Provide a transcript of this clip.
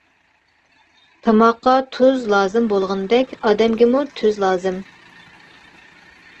تاماققا تۈز لازىم بولغىنىدەك ئادەمگىمۇ تۈز لازىم.